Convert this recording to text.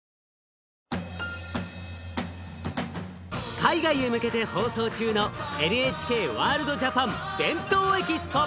海外へ向けて放送中のＮＨＫワールドＪＡＰＡＮ「ＢＥＮＴＯＥＸＰＯ」！